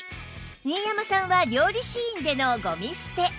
新山さんは料理シーンでのゴミ捨て